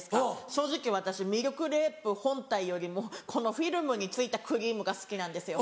正直私ミルクレープ本体よりもこのフィルムに付いたクリームが好きなんですよ。